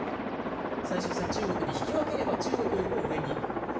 最終戦、中国に引き分ければ中国よりも上に行く。